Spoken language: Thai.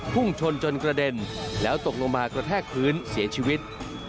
พุ่งชนจนกระเด็นแล้วตกลงมากระแทกพื้นเสียชีวิต